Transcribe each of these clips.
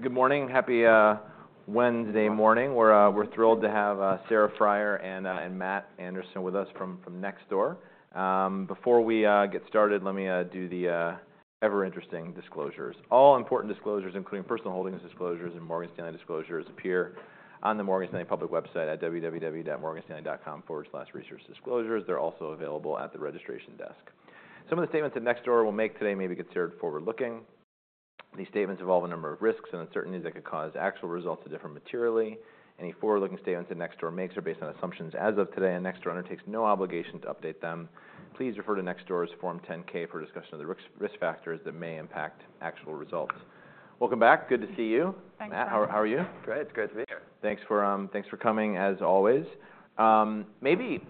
Good morning. Happy Wednesday morning. We're thrilled to have Sarah Friar and Matt Anderson with us from Nextdoor. Before we get started, let me do the ever interesting disclosures. All important disclosures, including personal holdings disclosures and Morgan Stanley disclosures, appear on the Morgan Stanley public website at www.morganstanley.com/resourcesdisclosures. They're also available at the registration desk. Some of the statements that Nextdoor will make today may be considered forward-looking. These statements involve a number of risks and uncertainties that could cause actual results to differ materially. Any forward-looking statements that Nextdoor makes are based on assumptions as of today, and Nextdoor undertakes no obligation to update them. Please refer to Nextdoor's Form 10-K for a discussion of the risk factors that may impact actual results. Welcome back. Good to see you. Thanks. Matt, how are you? Great. It's great to be here. Thanks for coming, as always. Maybe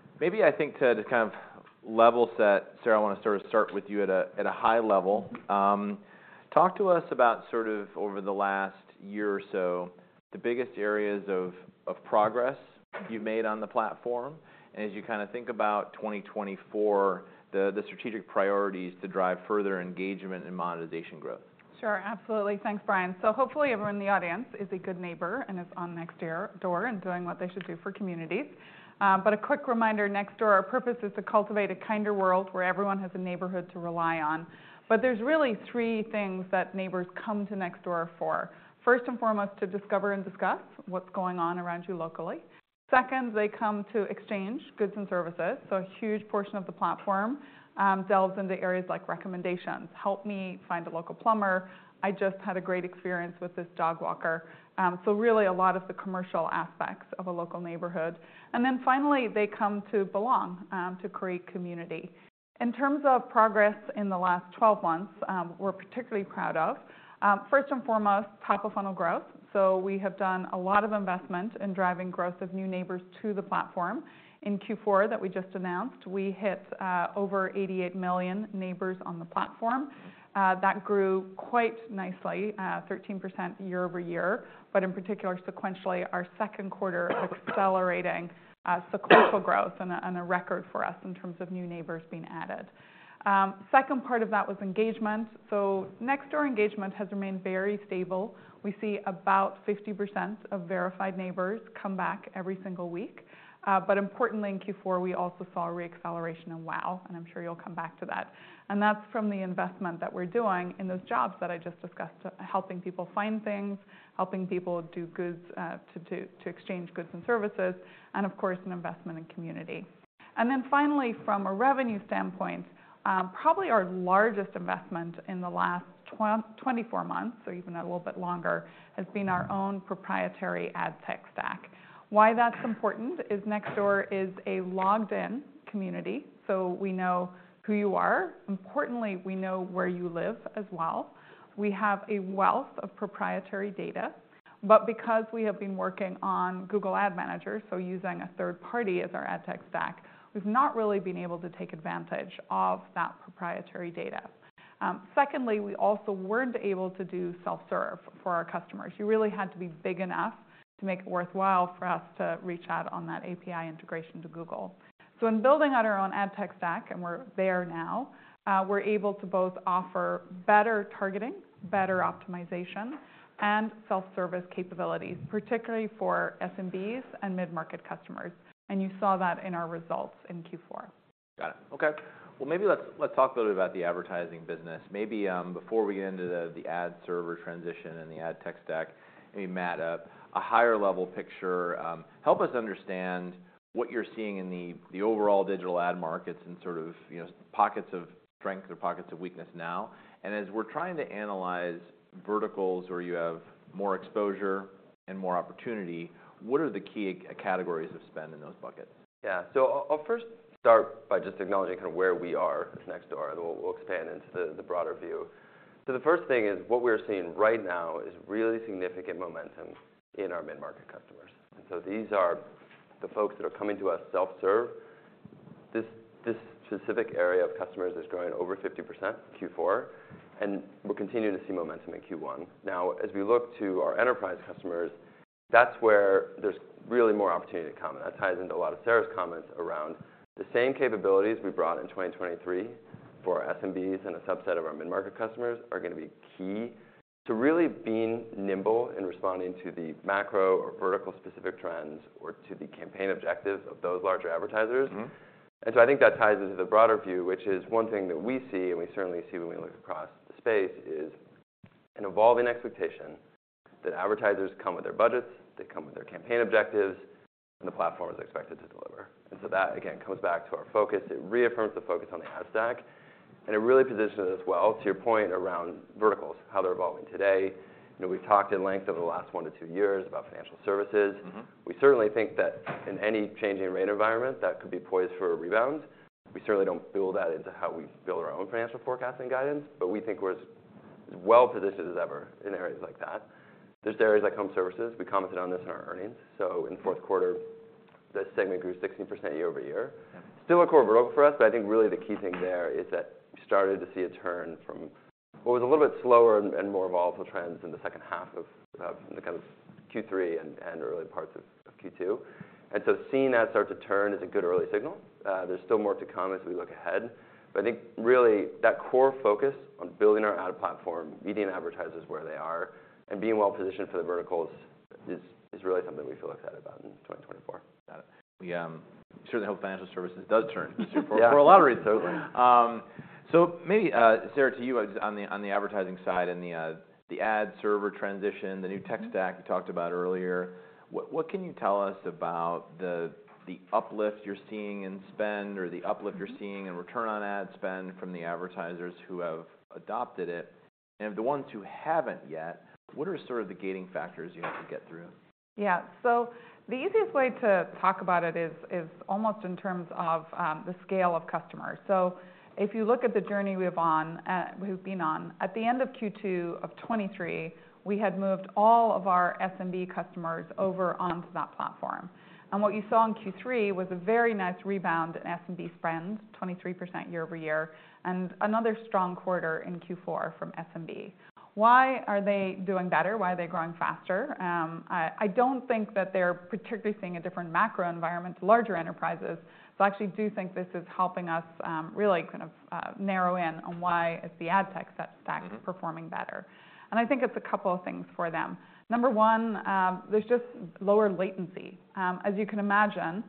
I think to kind of level set, Sarah, I wanna sort of start with you at a high level. Talk to us about sort of over the last year or so, the biggest areas of progress you've made on the platform, and as you kind of think about 2024, the strategic priorities to drive further engagement and monetization growth. Sure. Absolutely. Thanks, Brian. So hopefully everyone in the audience is a good neighbor and is on Nextdoor and doing what they should do for communities. But a quick reminder, Nextdoor, our purpose is to cultivate a kinder world where everyone has a neighborhood to rely on. But there's really three things that neighbors come to Nextdoor for. First and foremost, to discover and discuss what's going on around you locally. Second, they come to exchange goods and services, so a huge portion of the platform delves into areas like recommendations: "Help me find a local plumber," "I just had a great experience with this dog walker." So really, a lot of the commercial aspects of a local neighborhood. And then finally, they come to belong, to create community. In terms of progress in the last 12 months, we're particularly proud of, first and foremost, top-of-funnel growth. So we have done a lot of investment in driving growth of new neighbors to the platform. In Q4 that we just announced, we hit over 88 million neighbors on the platform. That grew quite nicely, 13% year-over-year, but in particular, sequentially, our second quarter accelerating sequential growth and a record for us in terms of new neighbors being added. Second part of that was engagement. So Nextdoor engagement has remained very stable. We see about 50% of verified neighbors come back every single week. But importantly, in Q4, we also saw a re-acceleration in WAU and I'm sure you'll come back to that. That's from the investment that we're doing in those jobs that I just discussed, helping people find things, helping people do goods, to exchange goods and services, and of course, an investment in community. Then finally, from a revenue standpoint, probably our largest investment in the last 24 months, or even a little bit longer, has been our own proprietary ad tech stack. Why that's important is Nextdoor is a logged-in community, so we know who you are. Importantly, we know where you live as well. We have a wealth of proprietary data, but because we have been working on Google Ad Manager, so using a third party as our ad tech stack, we've not really been able to take advantage of that proprietary data. Secondly, we also weren't able to do self-serve for our customers. You really had to be big enough to make it worthwhile for us to reach out on that API integration to Google. So in building out our own ad tech stack, and we're there now, we're able to both offer better targeting, better optimization, and self-service capabilities, particularly for SMBs and mid-market customers, and you saw that in our results in Q4. Got it. Okay. Well, maybe let's talk a little about the advertising business. Maybe, before we get into the ad server transition and the ad tech stack, maybe Matt, a higher level picture. Help us understand what you're seeing in the overall digital ad markets and sort of, you know, pockets of strength or pockets of weakness now. And as we're trying to analyze verticals where you have more exposure and more opportunity, what are the key categories of spend in those buckets? Yeah. So I'll first start by just acknowledging kind of where we are with Nextdoor, and we'll expand into the broader view. So the first thing is, what we're seeing right now is really significant momentum in our mid-market customers. And so these are the folks that are coming to us self-serve. This specific area of customers is growing over 50% Q4, and we're continuing to see momentum in Q1. Now, as we look to our enterprise customers, that's where there's really more opportunity to come, and that ties into a lot of Sarah's comments around the same capabilities we brought in 2023 for our SMBs and a subset of our mid-market customers are gonna be key to really being nimble in responding to the macro or vertical specific trends, or to the campaign objectives of those larger advertisers. Mm-hmm. I think that ties into the broader view, which is one thing that we see, and we certainly see when we look across the space, is an evolving expectation that advertisers come with their budgets, they come with their campaign objectives, and the platform is expected to deliver. And so that, again, comes back to our focus. It reaffirms the focus on the ad stack, and it really positions us well, to your point around verticals, how they're evolving today. You know, we've talked at length over the last 1-2 years about financial services. Mm-hmm. We certainly think that in any changing rate environment, that could be poised for a rebound. We certainly don't build that into how we build our own financial forecasting guidance, but we think we're as well positioned as ever in areas like that. There's areas like home services. We commented on this in our earnings. So in the fourth quarter, that segment grew 16% year-over-year. Yeah. Still a core vertical for us, but I think really the key thing there is that we started to see a turn from what was a little bit slower and more volatile trends in the second half of Q3 and early parts of Q2. And so seeing that start to turn is a good early signal. There's still more to come as we look ahead, but I think really, that core focus on building our ad platform, meeting advertisers where they are, and being well-positioned for the verticals is really something we feel excited about in 2024. Got it. We certainly hope financial services does turn- Yeah. for a lot of reasons. Right. So maybe, Sarah, to you on the advertising side and the ad server transition, the new tech- Mm-hmm -stack you talked about earlier. What, what can you tell us about the, the uplift you're seeing in spend or the uplift- Mm-hmm You're seeing in return on ad spend from the advertisers who have adopted it? And the ones who haven't yet, what are sort of the gating factors you have to get through? Yeah. So the easiest way to talk about it is almost in terms of the scale of customers. So if you look at the journey we're on, at the end of Q2 of 2023, we had moved all of our SMB customers over onto that platform. And what you saw in Q3 was a very nice rebound in SMB spend, 23% year-over-year, and another strong quarter in Q4 from SMB. Why are they doing better? Why are they growing faster? I don't think that they're particularly seeing a different macro environment to larger enterprises, so I actually do think this is helping us really kind of narrow in on why it's the ad tech stack. Mm-hmm Performing better. And I think it's a couple of things for them. Number one, there's just lower latency. As you can imagine,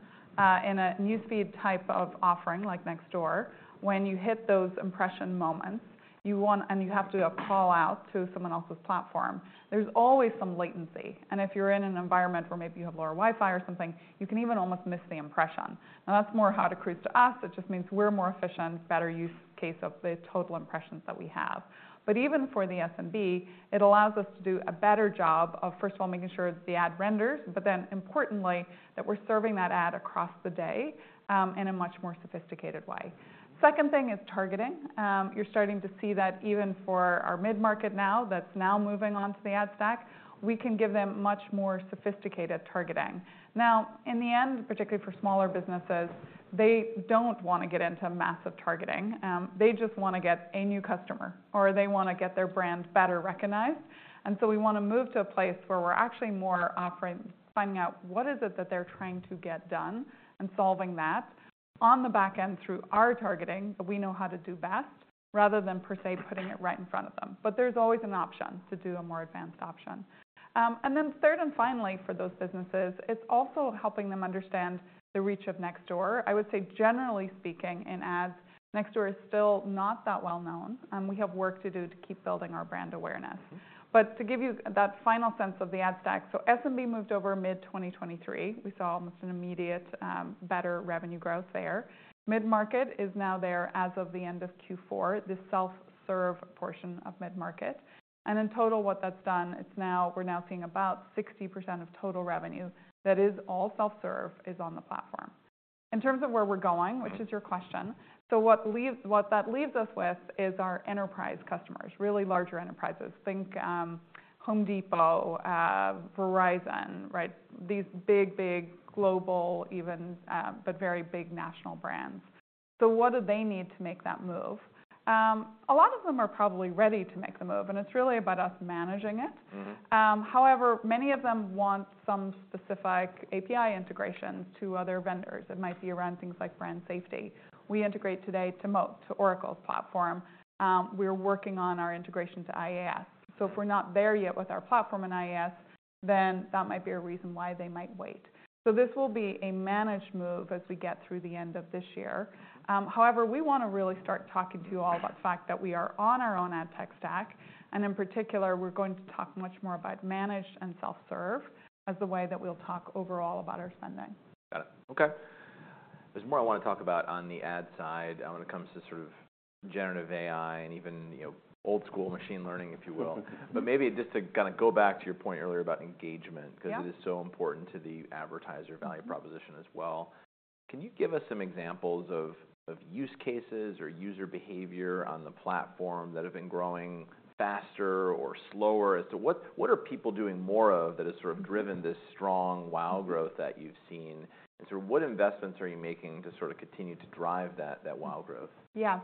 in a news feed type of offering, like Nextdoor, when you hit those impression moments, you want. And you have to do a call out to someone else's platform, there's always some latency. And if you're in an environment where maybe you have lower Wi-Fi or something, you can even almost miss the impression. Now, that's more how it accrues to us. It just means we're more efficient, better use case of the total impressions that we have. But even for the SMB, it allows us to do a better job of, first of all, making sure that the ad renders, but then importantly, that we're serving that ad across the day, in a much more sophisticated way. Second thing is targeting. You're starting to see that even for our mid-market now, that's now moving on to the ad stack, we can give them much more sophisticated targeting. Now, in the end, particularly for smaller businesses, they don't want to get into massive targeting. They just want to get a new customer, or they want to get their brand better recognized. We want to move to a place where we're actually more offering, finding out what is it that they're trying to get done, and solving that on the back end through our targeting, that we know how to do best, rather than per se, putting it right in front of them. But there's always an option to do a more advanced option. And then third, and finally, for those businesses, it's also helping them understand the reach of Nextdoor. I would say, generally speaking, in ads, Nextdoor is still not that well known, and we have work to do to keep building our brand awareness. But to give you that final sense of the ad stack, so SMB moved over mid-2023. We saw almost an immediate, better revenue growth there. Mid-market is now there as of the end of Q4, the self-serve portion of mid-market. And in total, what that's done, it's now, we're now seeing about 60% of total revenue that is all self-serve, is on the platform. In terms of where we're going- Mm-hmm which is your question, so what that leaves us with is our enterprise customers, really larger enterprises. Think, Home Depot, Verizon, right? These big, big global even, but very big national brands. So what do they need to make that move? A lot of them are probably ready to make the move, and it's really about us managing it. Mm-hmm. However, many of them want some specific API integrations to other vendors. It might be around things like brand safety. We integrate today to Moat, to Oracle's platform. We're working on our integration to IAS. So if we're not there yet with our platform in IAS, then that might be a reason why they might wait. So this will be a managed move as we get through the end of this year. However, we want to really start talking to you all about the fact that we are on our own ad tech stack, and in particular, we're going to talk much more about managed and self-serve, as the way that we'll talk overall about our spending. Got it. Okay. There's more I want to talk about on the ad side when it comes to sort of generative AI and even, you know, old school machine learning, if you will. But maybe just to kind of go back to your point earlier about engagement- Yeah ...because it is so important to the advertiser- Mm-hmm Value proposition as well. Can you give us some examples of, of use cases or user behavior on the platform that have been growing faster or slower? As to what, what are people doing more of that has sort of driven this strong wow growth that you've seen? And sort of what investments are you making to sort of continue to drive that, that wow growth? Yeah.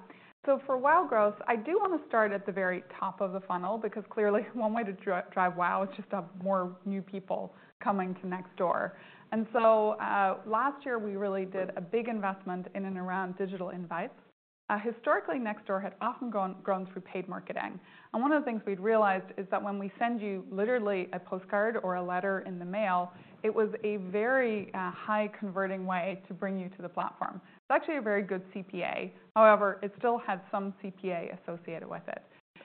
So for wow growth, I do want to start at the very top of the funnel, because clearly, one way to drive wow is just to have more new people coming to Nextdoor. And so, last year, we really did a big investment in and around digital invites. Historically, Nextdoor had often grown through paid marketing, and one of the things we'd realized is that when we send you literally a postcard or a letter in the mail, it was a very high converting way to bring you to the platform. It's actually a very good CPA. However, it still had some CPA associated with it.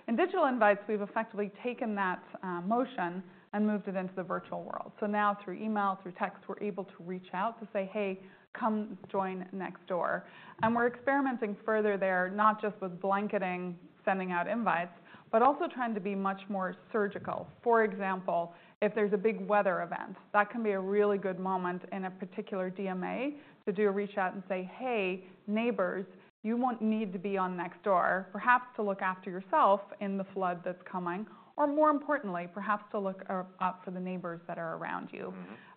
In digital invites, we've effectively taken that motion and moved it into the virtual world. Now through email, through text, we're able to reach out to say, "Hey, come join Nextdoor." And we're experimenting further there, not just with blanketing, sending out invites, but also trying to be much more surgical. For example, if there's a big weather event, that can be a really good moment in a particular DMA to do a reach out and say, "Hey, neighbors, you won't need to be on Nextdoor, perhaps to look after yourself in the flood that's coming, or more importantly, perhaps to look up for the neighbors that are around you.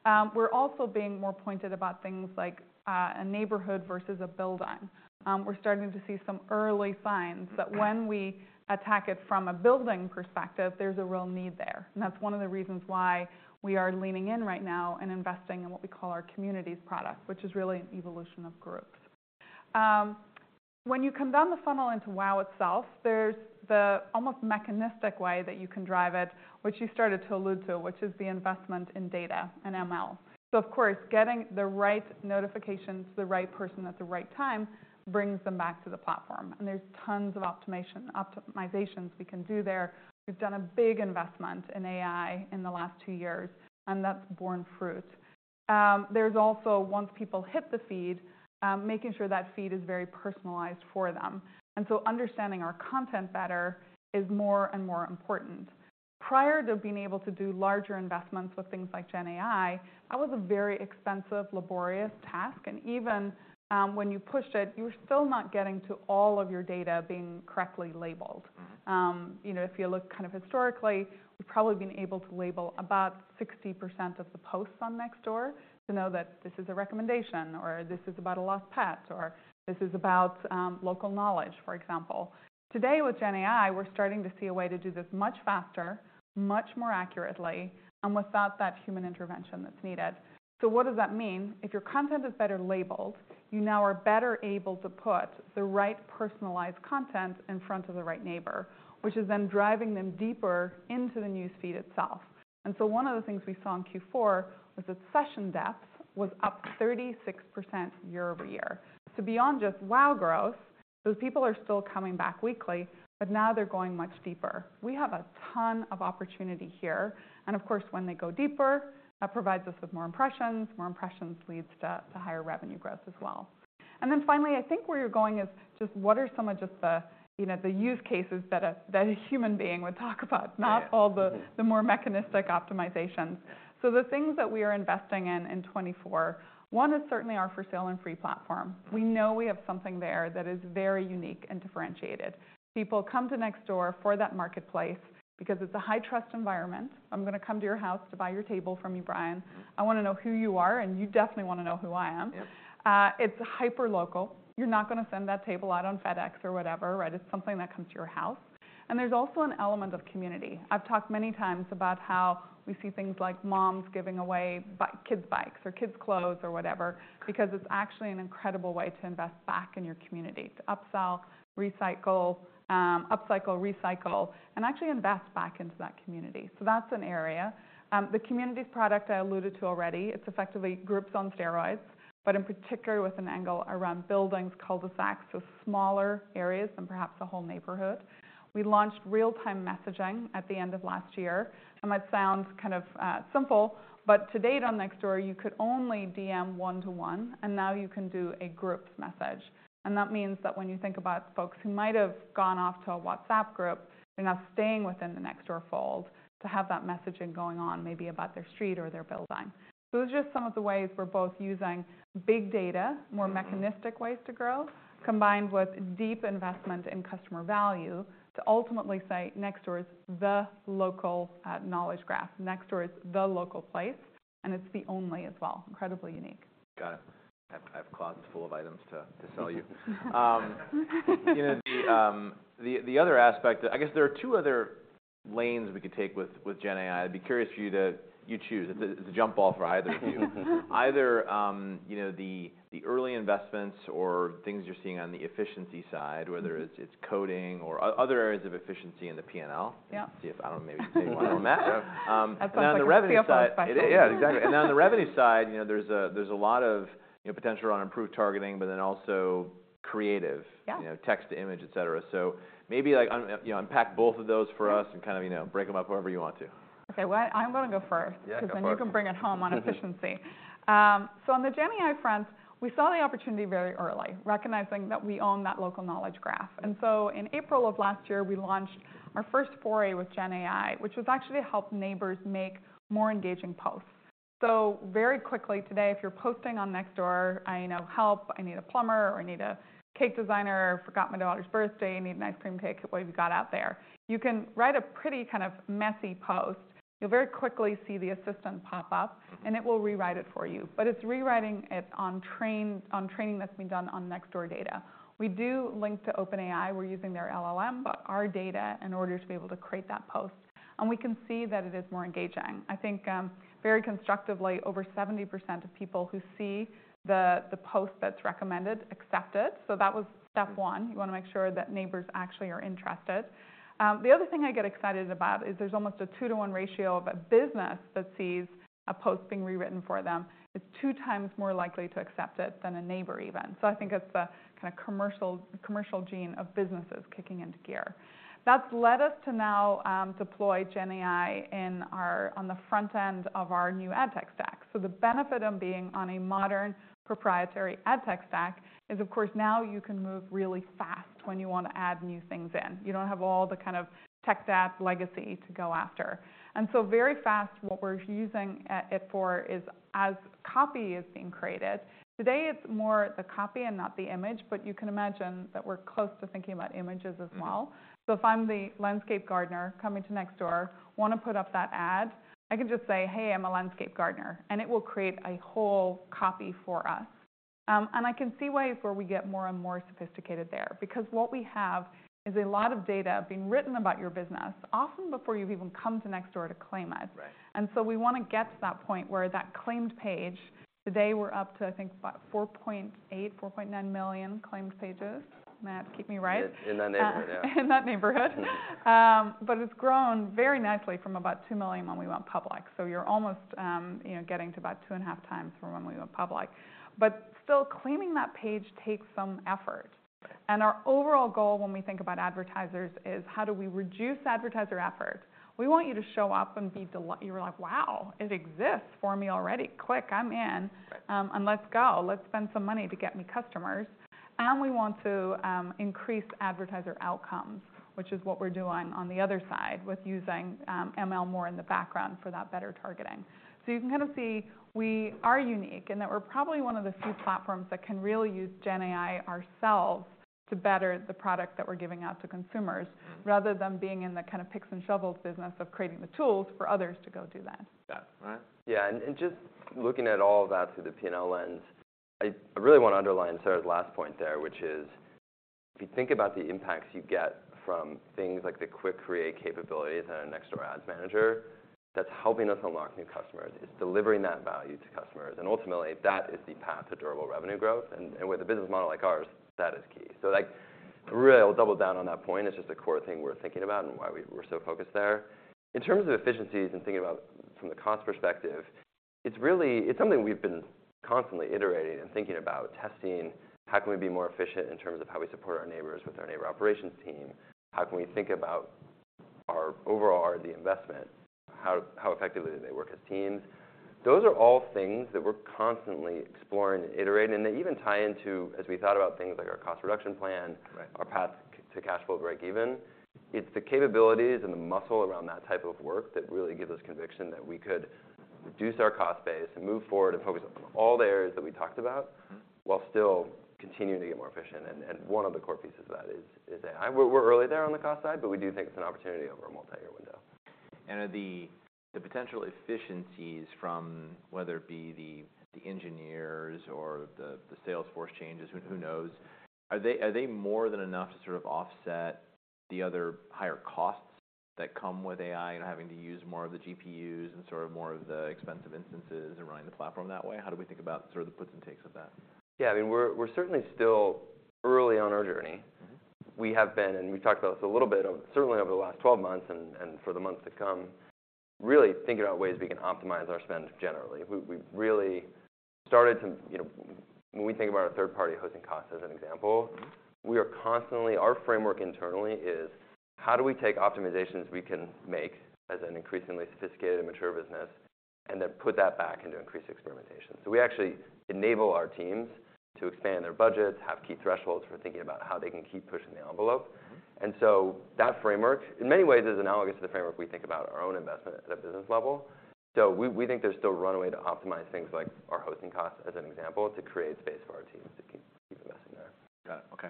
Mm-hmm. We're also being more pointed about things like a neighborhood versus a building. We're starting to see some early signs- Mm-hmm that when we attack it from a building perspective, there's a real need there. And that's one of the reasons why we are leaning in right now and investing in what we call our communities product, which is really an evolution of growth. When you consider the funnel into WOW itself, there's the almost mechanistic way that you can drive it, which you started to allude to, which is the investment in data and ML. So of course, getting the right notifications to the right person at the right time brings them back to the platform, and there's tons of optimizations we can do there. We've done a big investment in AI in the last two years, and that's borne fruit. There's also, once people hit the feed, making sure that feed is very personalized for them. Understanding our content better is more and more important. Prior to being able to do larger investments with things like Gen AI, that was a very expensive, laborious task, and even when you pushed it, you were still not getting to all of your data being correctly labeled. You know, if you look kind of historically, we've probably been able to label about 60% of the posts on Nextdoor to know that this is a recommendation, or this is about a lost pet, or this is about local knowledge, for example. Today, with Gen AI, we're starting to see a way to do this much faster, much more accurately, and without that human intervention that's needed. So what does that mean? If your content is better labeled, you now are better able to put the right personalized content in front of the right neighbor, which is then driving them deeper into the news feed itself. And so one of the things we saw in Q4 was that session depth was up 36% year-over-year. So beyond just wow growth, those people are still coming back weekly, but now they're going much deeper. We have a ton of opportunity here, and of course, when they go deeper, that provides us with more impressions, more impressions leads to higher revenue growth as well. And then finally, I think where you're going is just what are some of just the, you know, the use cases that a human being would talk about, not all the- Mm-hmm. the more mechanistic optimizations. So the things that we are investing in in 2024, one is certainly our For Sale & Free platform. We know we have something there that is very unique and differentiated. People come to Nextdoor for that marketplace because it's a high-trust environment. I'm gonna come to your house to buy your table from you, Brian. Mm-hmm. I wanna know who you are, and you definitely wanna know who I am. Yep. It's hyperlocal. You're not gonna send that table out on FedEx or whatever, right? It's something that comes to your house. And there's also an element of community. I've talked many times about how we see things like moms giving away kids' bikes or kids' clothes or whatever- Right... because it's actually an incredible way to invest back in your community, to upsell, recycle, upcycle, recycle, and actually invest back into that community. So that's an area. The communities product I alluded to already, it's effectively groups on steroids, but in particular, with an angle around buildings, cul-de-sacs, so smaller areas than perhaps the whole neighborhood. We launched real-time messaging at the end of last year, and that sounds kind of simple, but to date, on Nextdoor, you could only DM one to one, and now you can do a group message. And that means that when you think about folks who might have gone off to a WhatsApp group, they're now staying within the Nextdoor fold to have that messaging going on, maybe about their street or their building. Those are just some of the ways we're both using big data- Mm-hmm... more mechanistic ways to grow, combined with deep investment in customer value to ultimately say, Nextdoor is the local knowledge graph. Nextdoor is the local place, and it's the only as well. Incredibly unique. Got it. I have closets full of items to sell you. You know, the other aspect. I guess there are two other lanes we could take with Gen AI. I'd be curious for you to choose. It's a jump ball for either of you. Either, you know, the early investments or things you're seeing on the efficiency side- Mm-hmm... whether it's coding or other areas of efficiency in the PNL. Yep. See if, I don't know, maybe you can take one on that. That sounds like a three- On the revenue side- Yeah. Yeah, exactly. And on the revenue side, you know, there's a lot of, you know, potential on improved targeting, but then also creative- Yeah... you know, text to image, etcetera. So maybe like you know, unpack both of those for us and kind of, you know, break them up however you want to. Okay, well, I'm gonna go first- Yeah, go for it.... 'cause then you can bring it home on efficiency. So on the Gen AI front, we saw the opportunity very early, recognizing that we own that local knowledge graph. And so in April of last year, we launched our first foray with Gen AI, which was actually to help neighbors make more engaging posts. So very quickly, today, if you're posting on Nextdoor, I need, you know, help, I need a plumber, or I need a cake designer, forgot my daughter's birthday, I need an ice cream cake, what have you got out there? You can write a pretty kind of messy post. You'll very quickly see the assistant pop up- Mm-hmm... and it will rewrite it for you. But it's rewriting it on training that's been done on Nextdoor data. We do link to OpenAI, we're using their LLM, but our data in order to be able to create that post, and we can see that it is more engaging. I think, very constructively, over 70% of people who see the post that's recommended, accept it. So that was step one. Mm-hmm. You wanna make sure that neighbors actually are interested. The other thing I get excited about is there's almost a 2-to-1 ratio of a business that sees a post being rewritten for them, is 2 times more likely to accept it than a neighbor even. So I think it's the kind of commercial, commercial gene of businesses kicking into gear. That's led us to now deploy Gen AI on the front end of our new ad tech stack. So the benefit of being on a modern, proprietary ad tech stack is, of course, now you can move really fast when you want to add new things in. You don't have all the kind of tech stack legacy to go after. What we're using it for is, as copy is being created, today it's more the copy and not the image, but you can imagine that we're close to thinking about images as well. Mm-hmm. If I'm the landscape gardener coming to Nextdoor, wanna put up that ad, I can just say, "Hey, I'm a landscape gardener," and it will create a whole copy for us.... and I can see ways where we get more and more sophisticated there, because what we have is a lot of data being written about your business, often before you've even come to Nextdoor to claim it. Right. We wanna get to that point where that claimed page, today we're up to, I think, about 4.8-4.9 million claimed pages. Matt, keep me right. In that neighborhood, yeah. In that neighborhood. But it's grown very nicely from about 2 million when we went public, so you're almost, you know, getting to about 2.5 times from when we went public. But still, claiming that page takes some effort. Right. Our overall goal when we think about advertisers is: how do we reduce advertiser effort? We want you to show up and be deli-- You were like: "Wow! It exists for me already. Click, I'm in- Right. Let's go. Let's spend some money to get me customers." And we want to increase advertiser outcomes, which is what we're doing on the other side, with using ML more in the background for that better targeting. So you can kinda see we are unique, and that we're probably one of the few platforms that can really use GenAI ourselves to better the product that we're giving out to consumers. Mm. rather than being in the kind of picks and shovels business of creating the tools for others to go do that. Yeah. Right. Yeah, and just looking at all of that through the P&L lens, I really want to underline Sarah's last point there, which is, if you think about the impacts you get from things like the Quick Create capabilities in our Nextdoor Ads Manager, that's helping us unlock new customers. It's delivering that value to customers, and ultimately, that is the path to durable revenue growth. With a business model like ours, that is key. So, like, really, I'll double down on that point. It's just the core thing we're thinking about and why we're so focused there. In terms of efficiencies and thinking about from the cost perspective, it's really... It's something we've been constantly iterating and thinking about, testing, how can we be more efficient in terms of how we support our neighbors with our neighbor operations team? How can we think about our overall R&D investment? How, how effectively do they work as teams? Those are all things that we're constantly exploring and iterating, and they even tie into, as we thought about things like our cost reduction plan- Right... our path to cash flow break even. It's the capabilities and the muscle around that type of work that really give us conviction that we could reduce our cost base and move forward and focus on all the areas that we talked about- Mm-hmm. while still continuing to get more efficient. One of the core pieces of that is AI. We're early there on the cost side, but we do think it's an opportunity over a multi-year window. Are the potential efficiencies from whether it be the engineers or the sales force changes, who knows? Are they more than enough to sort of offset the other higher costs that come with AI and having to use more of the GPUs and sort of more of the expensive instances and running the platform that way? How do we think about sort of the puts and takes of that? Yeah, I mean, we're certainly still early on our journey. Mm-hmm. We have been, and we've talked about this a little bit, certainly over the last 12 months, and, and for the months to come, really thinking about ways we can optimize our spend generally. We, we've really started to, you know... When we think about our third-party hosting costs, as an example- Mm-hmm... we are constantly our framework internally is, how do we take optimizations we can make as an increasingly sophisticated and mature business, and then put that back into increased experimentation? So we actually enable our teams to expand their budgets, have key thresholds for thinking about how they can keep pushing the envelope. Mm-hmm. That framework, in many ways, is analogous to the framework we think about our own investment at a business level. So we, we think there's still runway to optimize things like our hosting costs, as an example, to create space for our teams to keep investing there. Got it. Okay.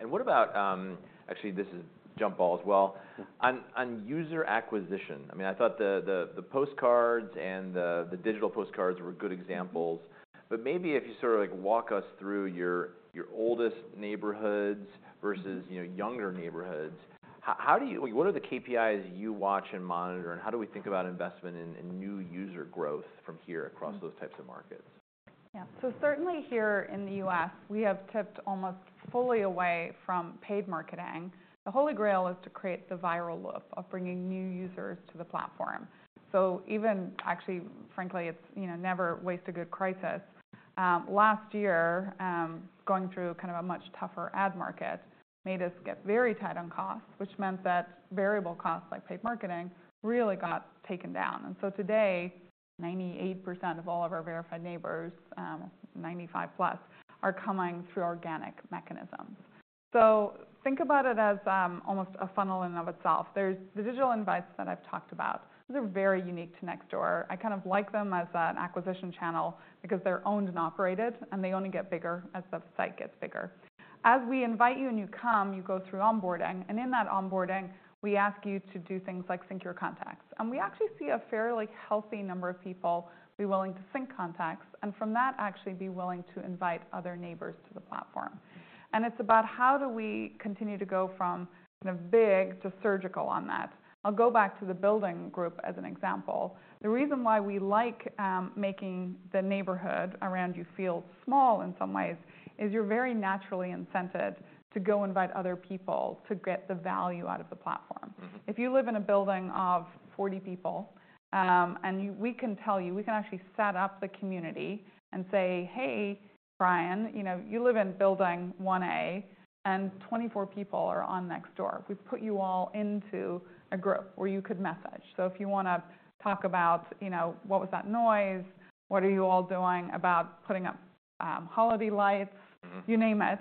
And what about, actually, this is jump ball as well. Mm. On user acquisition, I mean, I thought the postcards and the digital postcards were good examples, but maybe if you sort of, like, walk us through your oldest neighborhoods- Mm versus, you know, younger neighborhoods. How do you-- What are the KPIs you watch and monitor, and how do we think about investment in new user growth from here? Mm Across those types of markets? Yeah. So certainly here in the U.S., we have tipped almost fully away from paid marketing. The Holy Grail is to create the viral loop of bringing new users to the platform. So even actually, frankly, it's, you know, never waste a good crisis. Last year, going through kind of a much tougher ad market made us get very tight on cost, which meant that variable costs, like paid marketing, really got taken down. Today, 98% of all of our verified neighbors, 95+, are coming through organic mechanisms. So think about it as almost a funnel in and of itself. There's the digital invites that I've talked about. They're very unique to Nextdoor. I kind of like them as an acquisition channel because they're owned and operated, and they only get bigger as the site gets bigger. As we invite you and you come, you go through onboarding, and in that onboarding, we ask you to do things like sync your contacts. We actually see a fairly healthy number of people be willing to sync contacts, and from that, actually be willing to invite other neighbors to the platform. It's about, how do we continue to go from the big to surgical on that? I'll go back to the building group as an example. The reason why we like making the neighborhood around you feel small in some ways is, you're very naturally incented to go invite other people to get the value out of the platform. Mm-hmm. If you live in a building of 40 people, and you... We can tell you, we can actually set up the community and say, "Hey, Brian, you know, you live in building 1A, and 24 people are on Nextdoor. We've put you all into a group where you could message. So if you wanna talk about, you know, what was that noise? What are you all doing about putting up holiday lights? Mm-hmm. You name it.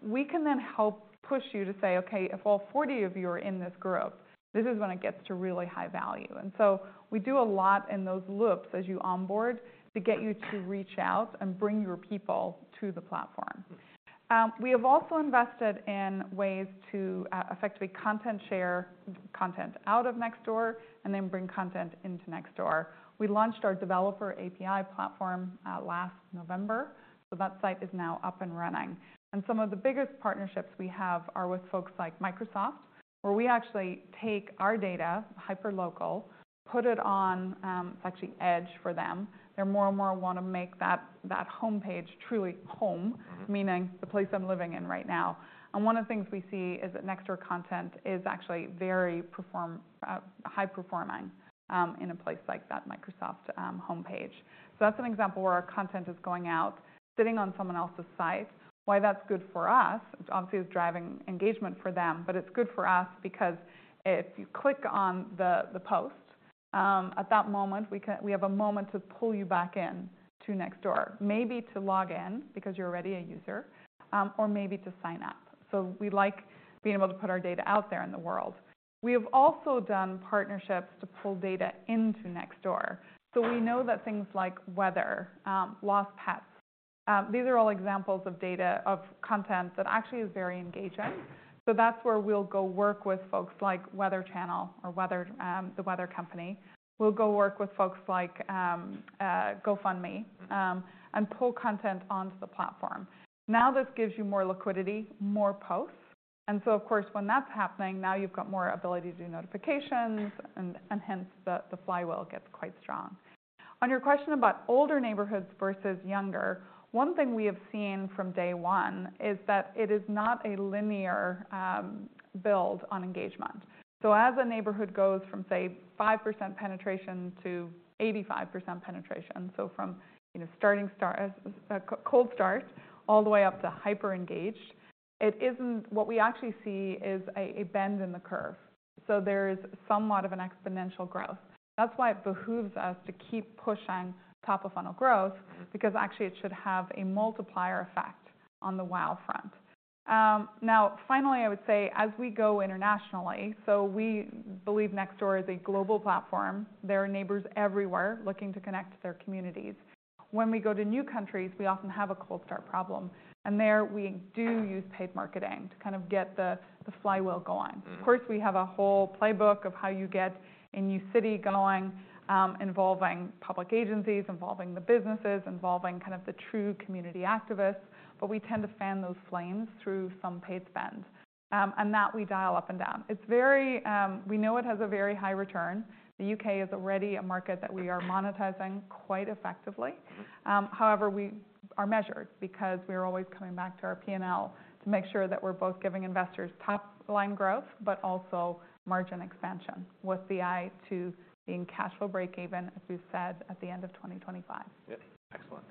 We can then help push you to say, "Okay, if all 40 of you are in this group, this is when it gets to really high value." And so we do a lot in those loops as you onboard to get you to reach out and bring your people to the platform. We have also invested in ways to effectively content share content out of Nextdoor and then bring content into Nextdoor. We launched our developer API platform last November, so that site is now up and running. And some of the biggest partnerships we have are with folks like Microsoft, where we actually take our data, hyperlocal, put it on, it's actually Edge for them. They more and more want to make that, that homepage truly home- Mm-hmm. -meaning the place I'm living in right now. And one of the things we see is that Nextdoor content is actually very high-performing in a place like that Microsoft homepage. So that's an example where our content is going out, sitting on someone else's site. Why that's good for us, which obviously is driving engagement for them, but it's good for us because if you click on the post at that moment, we have a moment to pull you back in to Nextdoor, maybe to log in because you're already a user or maybe to sign up. So we like being able to put our data out there in the world. We have also done partnerships to pull data into Nextdoor. We know that things like weather, lost pets, these are all examples of content that actually is very engaging. So that's where we'll go work with folks like The Weather Channel or The Weather Company. We'll go work with folks like GoFundMe, and pull content onto the platform. Now, this gives you more liquidity, more posts, and so of course, when that's happening, now you've got more ability to do notifications and hence the flywheel gets quite strong. On your question about older neighborhoods versus younger, one thing we have seen from day one is that it is not a linear build on engagement. So as a neighborhood goes from, say, 5% penetration to 85% penetration, so from, you know, a cold start all the way up to hyper-engaged, it isn't... What we actually see is a bend in the curve. So there is somewhat of an exponential growth. That's why it behooves us to keep pushing top-of-funnel growth- Mm-hmm. Because actually, it should have a multiplier effect on the WAU front. Now, finally, I would say, as we go internationally, so we believe Nextdoor is a global platform. There are neighbors everywhere looking to connect to their communities. When we go to new countries, we often have a cold start problem, and there we do use paid marketing to kind of get the flywheel going. Mm-hmm. Of course, we have a whole playbook of how you get a new city going, involving public agencies, involving the businesses, involving kind of the true community activists, but we tend to fan those flames through some paid spends, and that we dial up and down. It's very... We know it has a very high return. The U.K. is already a market that we are monetizing quite effectively. Mm-hmm. However, we are measured because we are always coming back to our P&L to make sure that we're both giving investors top-line growth, but also margin expansion, with the eye to being cash flow break even, as we've said, at the end of 2025. Yep. Excellent.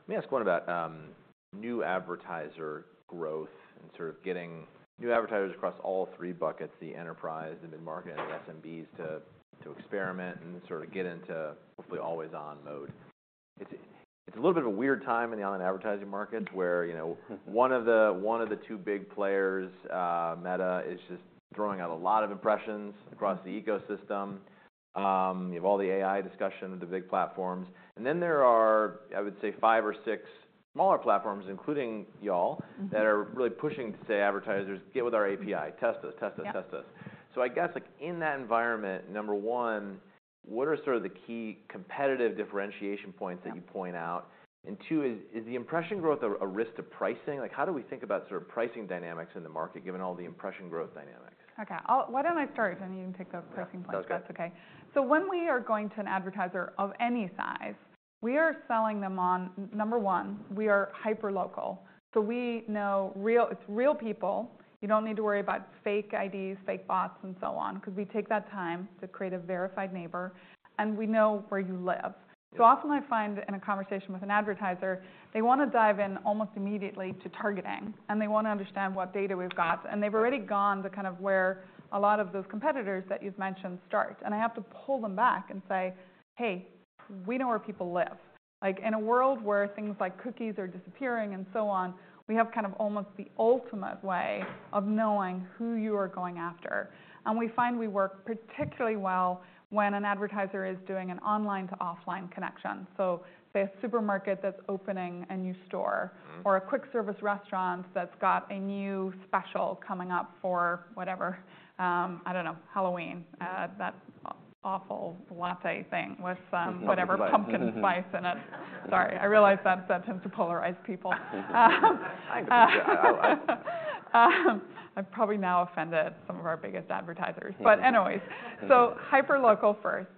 Let me ask one about new advertiser growth and sort of getting new advertisers across all three buckets: the enterprise, the mid-market, and the SMBs, to experiment and sort of get into hopefully always-on mode. It's a little bit of a weird time in the online advertising market, where you know- Mm-hmm. one of the, one of the two big players, Meta, is just throwing out a lot of impressions- Mm-hmm. -across the ecosystem. You have all the AI discussion with the big platforms. And then there are, I would say, five or six smaller platforms, including y'all- Mm-hmm... that are really pushing to say, "Advertisers, get with our API. Test us, test us, test us. Yep. So I guess, like, in that environment, number one, what are sort of the key competitive differentiation points? Yep... that you point out? And two, is the impression growth a risk to pricing? Like, how do we think about sort of pricing dynamics in the market, given all the impression growth dynamics? Okay, why don't I start, then you can take the pricing point? No, sounds good. That's okay. So when we are going to an advertiser of any size, we are selling them on, number one, we are hyperlocal. So we know real people. It's real people. You don't need to worry about fake IDs, fake bots, and so on, 'cause we take that time to create a verified neighbor, and we know where you live. Mm-hmm. Often I find, in a conversation with an advertiser, they want to dive in almost immediately to targeting, and they want to understand what data we've got. Right. They've already gone to kind of where a lot of those competitors that you've mentioned start. I have to pull them back and say, "Hey, we know where people live." Like, in a world where things like cookies are disappearing and so on, we have kind of almost the ultimate way of knowing who you are going after. We find we work particularly well when an advertiser is doing an online-to-offline connection. So say, a supermarket that's opening a new store- Mm-hmm... or a quick-service restaurant that's got a new special coming up for whatever, I don't know, Halloween. That awful latte thing with, The pumpkin spice. whatever, pumpkin spice in it. Mm-hmm. Sorry, I realize that tends to polarize people. I can... Oh, I- I've probably now offended some of our biggest advertisers. Anyways, so hyperlocal first.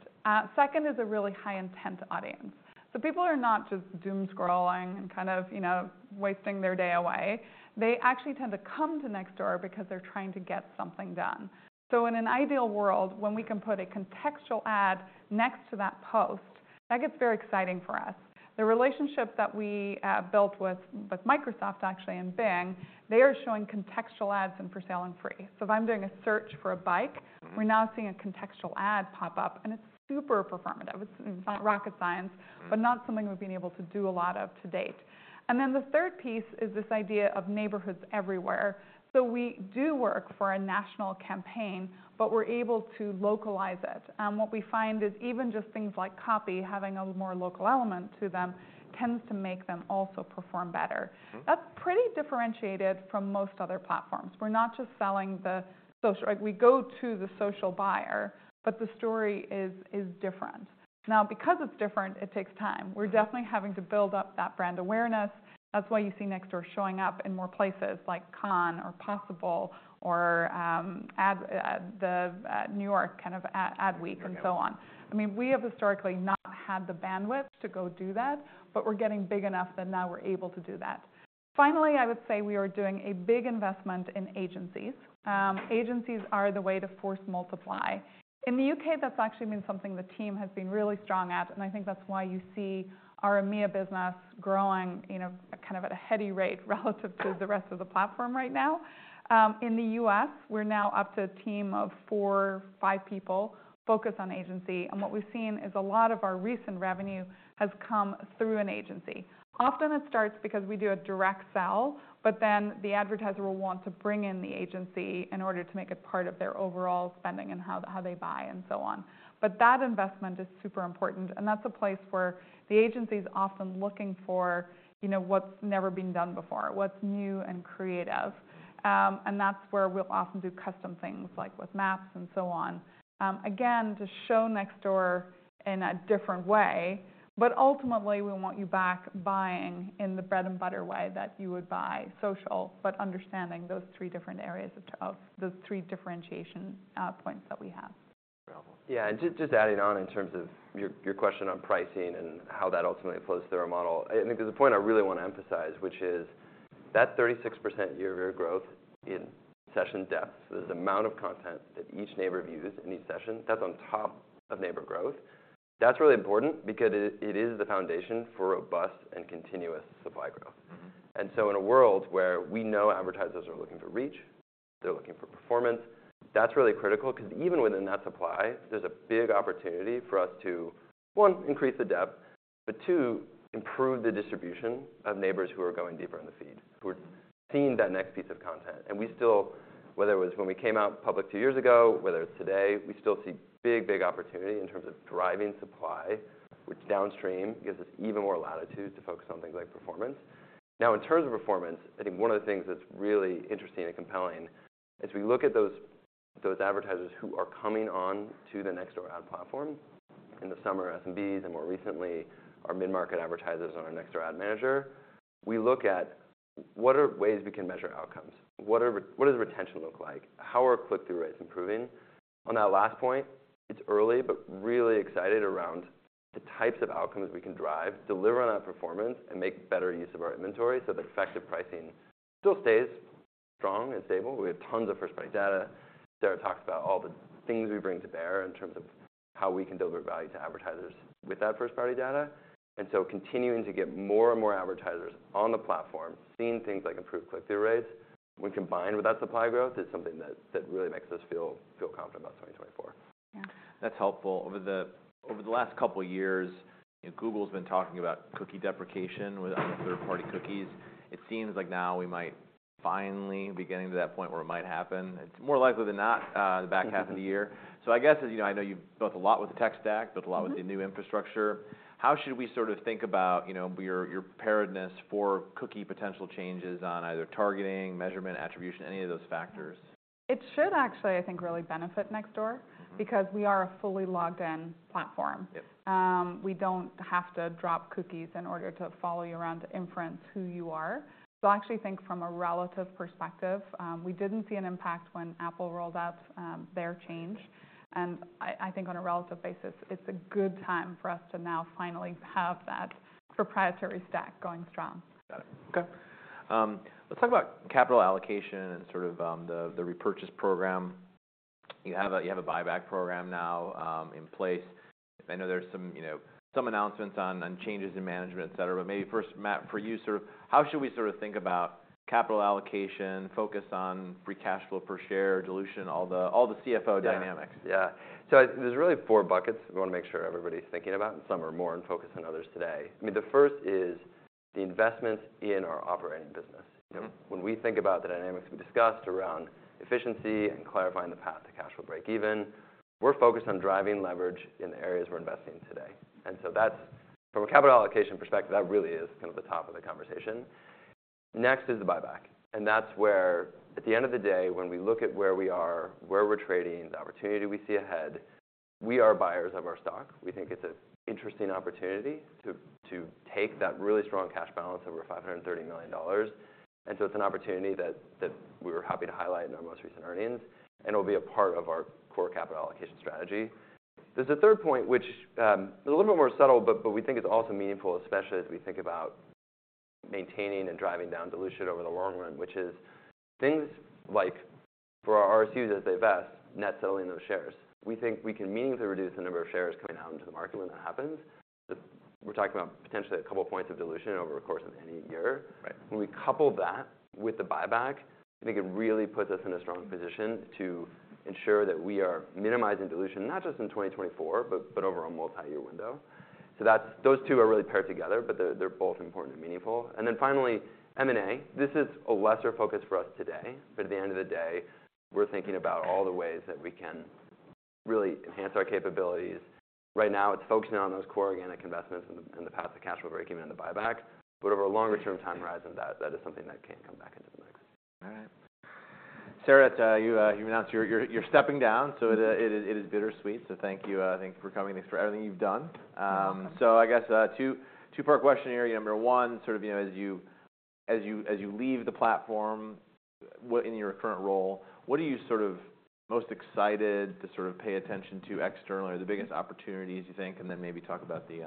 Second is a really high-intent audience. So people are not just doomscrolling and kind of, you know, wasting their day away. They actually tend to come to Nextdoor because they're trying to get something done. So in an ideal world, when we can put a contextual ad next to that post, that gets very exciting for us. The relationship that we built with Microsoft, actually, and Bing, they are showing contextual ads in for sale and free. So if I'm doing a search for a bike- Mm-hmm... we're now seeing a contextual ad pop up, and it's super performative. It's not rocket science- Mm... but not something we've been able to do a lot of to date. And then the third piece is this idea of neighborhoods everywhere. So we do work for a national campaign, but we're able to localize it. And what we find is even just things like copy, having a more local element to them, tends to make them also perform better. Mm-hmm. That's pretty differentiated from most other platforms. We're not just selling the social—like, we go to the social buyer, but the story is different. Now, because it's different, it takes time. Mm-hmm. We're definitely having to build up that brand awareness. That's why you see Nextdoor showing up in more places like Cannes or Possible or Ad Week New York- Okay... and so on. I mean, we have historically had the bandwidth to go do that, but we're getting big enough that now we're able to do that. Finally, I would say we are doing a big investment in agencies. Agencies are the way to force multiply. In the U.K., that's actually been something the team has been really strong at, and I think that's why you see our EMEA business growing, you know, kind of at a heady rate relative to the rest of the platform right now. In the U.S., we're now up to a team of 4, 5 people focused on agency, and what we've seen is a lot of our recent revenue has come through an agency. Often it starts because we do a direct sell, but then the advertiser will want to bring in the agency in order to make it part of their overall spending and how they buy and so on. But that investment is super important, and that's a place where the agency's often looking for, you know, what's never been done before, what's new and creative. And that's where we'll often do custom things, like with maps and so on. Again, to show Nextdoor in a different way, but ultimately, we want you back buying in the bread-and-butter way that you would buy social, but understanding those three different areas of the three differentiation points that we have. Yeah, and just adding on in terms of your question on pricing and how that ultimately flows through our model. I think there's a point I really want to emphasize, which is that 36% year-over-year growth in session depth, so the amount of content that each neighbor views in each session, that's on top of neighbor growth. That's really important because it is the foundation for robust and continuous supply growth. Mm-hmm. In a world where we know advertisers are looking for reach, they're looking for performance, that's really critical, 'cause even within that supply, there's a big opportunity for us to, one, increase the depth, but two, improve the distribution of neighbors who are going deeper in the feed, who are seeing that next piece of content. And we still, whether it was when we came out public 2 years ago, whether it's today, we still see big, big opportunity in terms of driving supply, which downstream gives us even more latitude to focus on things like performance. Now, in terms of performance, I think one of the things that's really interesting and compelling is we look at those, those advertisers who are coming on to the Nextdoor Ad platform, in the summer, SMBs, and more recently, our mid-market advertisers on our Nextdoor Ad Manager. We look at what are ways we can measure outcomes? What does retention look like? How are click-through rates improving? On that last point, it's early, but really excited around the types of outcomes we can drive, deliver on our performance, and make better use of our inventory so that effective pricing still stays strong and stable. We have tons of first-party data. Sarah talks about all the things we bring to bear in terms of how we can deliver value to advertisers with that first-party data. And so continuing to get more and more advertisers on the platform, seeing things like improved click-through rates, when combined with that supply growth, is something that really makes us feel confident about 2024. Yeah. That's helpful. Over the last couple of years, Google's been talking about cookie deprecation with the third-party cookies. It seems like now we might finally be getting to that point where it might happen. It's more likely than not, the back half of the year. Mm-hmm. I guess, as you know, I know you've built a lot with the tech stack- Mm-hmm... built a lot with the new infrastructure. How should we sort of think about, you know, your preparedness for cookie potential changes on either targeting, measurement, attribution, any of those factors? It should actually, I think, really benefit Nextdoor- Mm-hmm... because we are a fully logged-in platform. Yep. We don't have to drop cookies in order to follow you around to infer who you are. So I actually think from a relative perspective, we didn't see an impact when Apple rolled out their change. And I think on a relative basis, it's a good time for us to now finally have that proprietary stack going strong. Got it. Okay. Let's talk about capital allocation and sort of the repurchase program. You have a, you have a buyback program now in place. I know there's some, you know, some announcements on changes in management, et cetera. But maybe first, Matt, for you, sort of how should we sort of think about capital allocation, focus on free cash flow per share, dilution, all the, all the CFO dynamics? Yeah. Yeah. There's really four buckets we wanna make sure everybody's thinking about, and some are more in focus than others today. I mean, the first is the investments in our operating business. Mm-hmm. When we think about the dynamics we discussed around efficiency and clarifying the path to cash flow break even, we're focused on driving leverage in the areas we're investing today. From a capital allocation perspective, that really is kind of the top of the conversation. Next is the buyback, and that's where, at the end of the day, when we look at where we are, where we're trading, the opportunity we see ahead, we are buyers of our stock. We think it's an interesting opportunity to, to take that really strong cash balance of over $530 million, and so it's an opportunity that, that we were happy to highlight in our most recent earnings, and it'll be a part of our core capital allocation strategy. There's a third point which is a little bit more subtle, but we think it's also meaningful, especially as we think about maintaining and driving down dilution over the long run, which is things like, for our RSU as they vest, net selling those shares. We think we can meaningfully reduce the number of shares coming out into the market when that happens. We're talking about potentially a couple points of dilution over the course of any year. Right. When we couple that with the buyback, I think it really puts us in a strong position to ensure that we are minimizing dilution, not just in 2024, but, but over a multi-year window. So that's. Those two are really paired together, but they're, they're both important and meaningful. And then finally, M&A. This is a lesser focus for us today, but at the end of the day, we're thinking about all the ways that we can really enhance our capabilities. Right now, it's focusing on those core organic investments in the, in the path to cash flow break even and the buyback. But over a longer term time horizon, that, that is something that can come back into the mix. All right. Sarah, you've announced you're stepping down, so it is bittersweet. So thank you, thanks for coming. Thanks for everything you've done. Thank you. 2-part question here. Number 1, sort of, you know, as you leave the platform, in your current role, what are you sort of most excited to sort of pay attention to externally, or the biggest opportunities, you think? And then maybe talk about the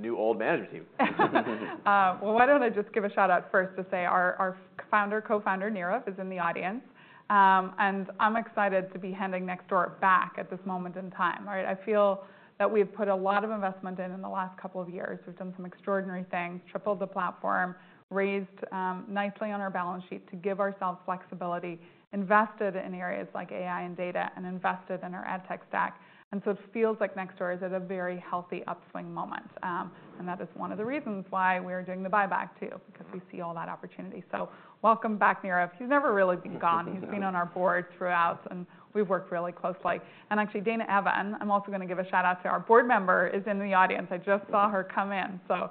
new Ads Manager team. Well, why don't I just give a shout-out first to say our founder, co-founder, Nirav, is in the audience. And I'm excited to be handing Nextdoor back at this moment in time, right? I feel that we've put a lot of investment in the last couple of years. We've done some extraordinary things, tripled the platform, raised nicely on our balance sheet to give ourselves flexibility, invested in areas like AI and data, and invested in our ad tech stack. And so it feels like Nextdoor is at a very healthy upswing moment, and that is one of the reasons why we're doing the buyback, too, because we see all that opportunity. So welcome back, Nirav. He's never really been gone. Yeah. He's been on our board throughout, and we've worked really closely. And actually, Dana Evan, I'm also gonna give a shout-out to our board member, is in the audience. I just saw her come in. So,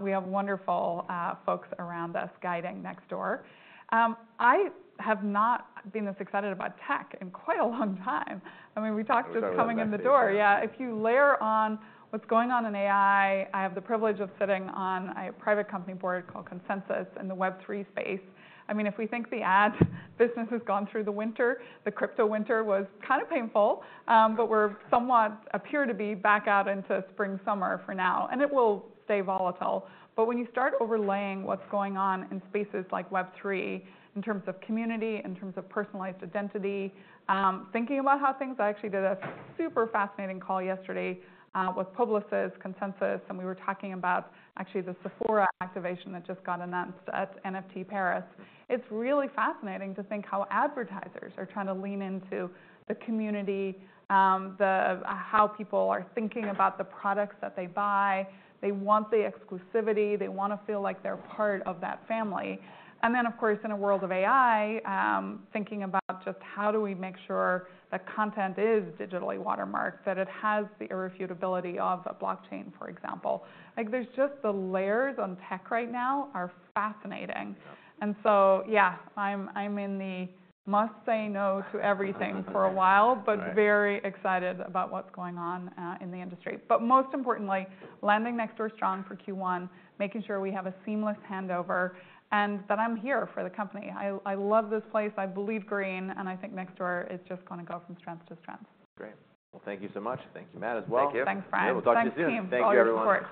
we have wonderful folks around us guiding Nextdoor. I have not been this excited about tech in quite a long time. I mean, we talked just coming in the door-... I was gonna ask you. Yeah, if you layer on what's going on in AI, I have the privilege of sitting on a private company board called Consensys, in the Web3 space. I mean, if we think the ad business has gone through the winter, the crypto winter was kind of painful. But we're somewhat appear to be back out into spring, summer for now, and it will stay volatile. But when you start overlaying what's going on in spaces like Web3, in terms of community, in terms of personalized identity, thinking about how things... I actually did a super fascinating call yesterday, with Publicis, Consensys, and we were talking about actually the Sephora activation that just got announced at NFT Paris. It's really fascinating to think how advertisers are trying to lean into the community, the, how people are thinking about the products that they buy. They want the exclusivity. They wanna feel like they're part of that family. And then, of course, in a world of AI, thinking about just how do we make sure the content is digitally watermarked, that it has the irrefutability of a blockchain, for example. Like, there's just the layers on tech right now are fascinating. Yep. I'm in the must say no to everything for a while- Right... but very excited about what's going on in the industry. But most importantly, landing Nextdoor strong for Q1, making sure we have a seamless handover, and that I'm here for the company. I, I love this place, I believe in Green, and I think Nextdoor is just gonna go from strength to strength. Great. Well, thank you so much. Thank you, Matt, as well. Thank you. Thanks, Frank. We'll talk to you soon. Thanks, team. Thank you, everyone. Oh, of course.